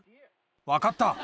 分かった。